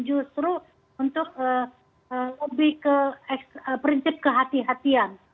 justru untuk lebih ke prinsip kehatian kehatian